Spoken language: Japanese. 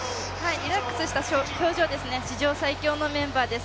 リラックスした表情ですね、史上最強のメンバーです。